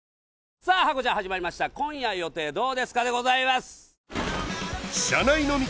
さあハコちゃん始まりました「今夜予定どうですか？」